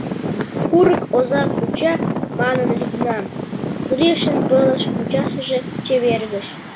— Курык оза куча манын лӱдынам, — Гришын пылыш мучашыже чевергыш.